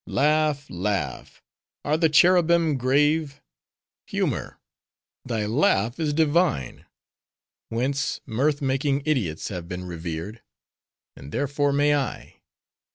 Laugh! laugh! Are the cherubim grave? Humor, thy laugh is divine; whence, mirth making idiots have been revered; and therefore may I.